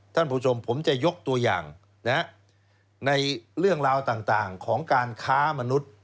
ท่านผู้ชมผมจะยกตัวอย่างในเรื่องราวต่างของการค้ามนุษย์